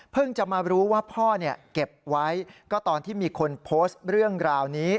จะมารู้ว่าพ่อเก็บไว้ก็ตอนที่มีคนโพสต์เรื่องราวนี้